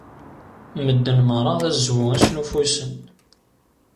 Medden merra d azwu i snuffusen.